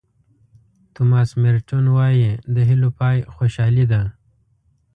توماس مېرټون وایي د هیلو پای خوشالي ده.